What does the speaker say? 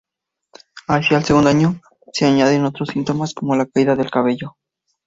Hacia el segundo año se añaden otros síntomas, como la caída del cabello.